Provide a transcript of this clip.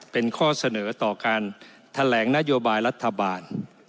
เป็นข้อเสนอต่อการแถลงนโยบายรัฐบาล